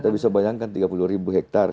kita bisa bayangkan tiga puluh ribu hektar